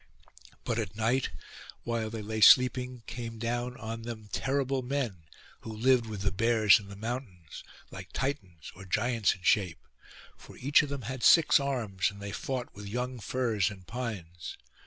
But at night, while they lay sleeping, came down on them terrible men, who lived with the bears in the mountains, like Titans or giants in shape; for each of them had six arms, and they fought with young firs and pines.